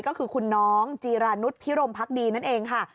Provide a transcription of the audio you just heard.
ก็คือคุณน้องจีรานุษย์พิรมพักดีนั่นเองค่ะ